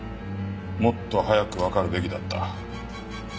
もっと早くわかるべきだった。